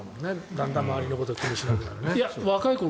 だんだん周りを気にしなくなるね。